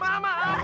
aduh mama lagi